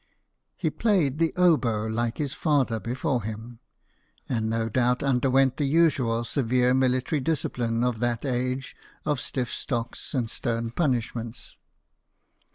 He played the oboe, like his father before him, and no doubt underwent the usual severe military discipline of that age of stiff stocks and stern pu lishments.